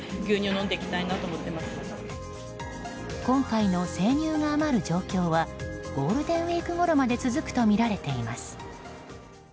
今回の生乳が余る状況はゴールデンウィークごろまで続くとみられています。